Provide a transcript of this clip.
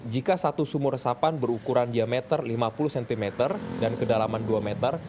jika satu sumur resapan berukuran diameter lima puluh cm dan kedalaman dua meter